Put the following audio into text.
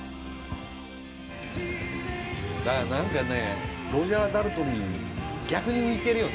だから何かねロジャー・ダルトリー逆に浮いてるよね